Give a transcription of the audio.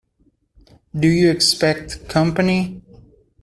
Do you expect company?